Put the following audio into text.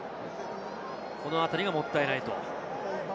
この辺りがもったいないと。